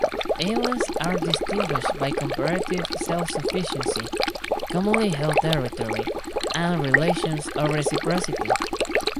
Ayllus are distinguished by comparative self-sufficiency, commonly held territory, and relations of reciprocity.